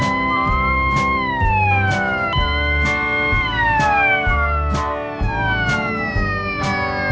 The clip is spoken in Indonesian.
udah padat di jalan teh